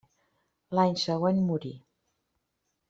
L'any següent morí.